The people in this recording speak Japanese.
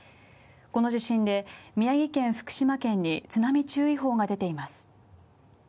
この地震で宮城県福島県に津波注意報が出ています。